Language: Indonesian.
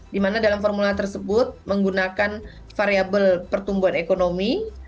di mana dalam formula tersebut menggunakan variable pertumbuhan ekonomi